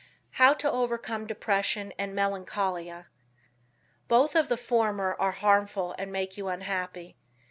How to Overcome Depression and Melancholia. Both of the former are harmful and make you unhappy.